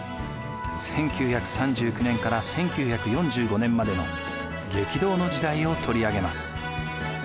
１９３９年から１９４５年までの激動の時代を取り上げます。